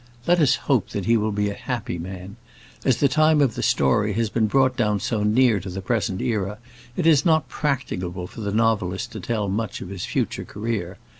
Let us hope that he will be a happy man. As the time of the story has been brought down so near to the present era, it is not practicable for the novelist to tell much of his future career.